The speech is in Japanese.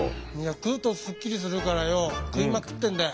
食うとスッキリするからよ食いまくってんだよ。